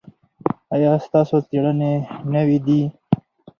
ایا ستاسو څیړنې نوې دي؟